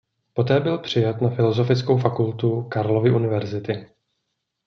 Poté byl přijat na Filozofickou fakultu Karlovy univerzity.